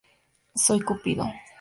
Soy cupido.